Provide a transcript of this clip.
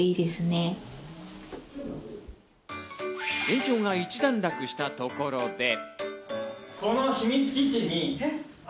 勉強が一段落したところで。